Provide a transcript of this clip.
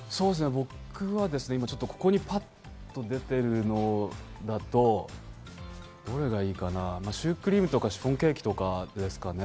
僕は今、ここにパッと出ているのだと、どれがいいかな、シュークリームとかシフォンケーキとかですかね。